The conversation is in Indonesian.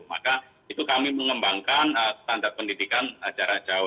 maka itu kami mengembangkan standar pendidikan jarak jauh